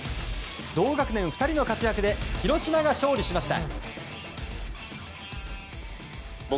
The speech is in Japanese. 同学年２人の活躍で広島が勝利しました。